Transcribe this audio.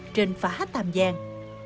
trên phá tàm giang